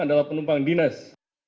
adalah penumpang dinas